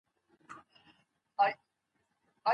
وخت انعطاف د انلاين کورس له لارې زده کوونکو ته برابر سوی دی.